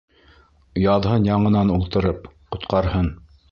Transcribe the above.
Яҙһын яңынан ултырып, ҡотҡарһын.